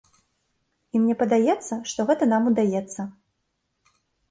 І мне падаецца, што гэта нам удаецца.